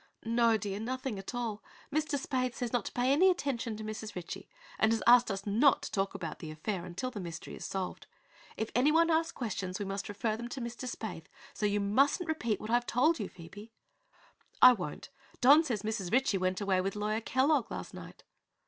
"No, dear; nothing at all. Mr. Spaythe says not to pay any attention to Mrs. Ritchie and has asked us not to talk about the affair until the mystery is solved. If anyone asks questions we must refer them to Mr. Spaythe. So you mustn't repeat what I've told you, Phoebe." "I won't. Don says Mrs. Ritchie went away with Lawyer Kellogg last night."